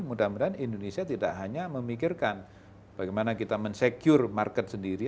mudah mudahan indonesia tidak hanya memikirkan bagaimana kita mensecure market sendiri